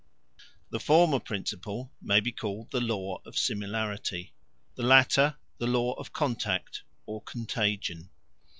The former principle may be called the Law of Similarity, the latter the Law of Contact or Contagion.